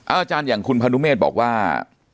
อาจารย์อย่างคุณพนุเมฆบอกว่า